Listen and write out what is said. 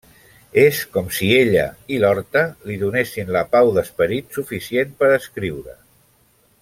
És com si ella i l'horta li donessin la pau d'esperit suficient per escriure.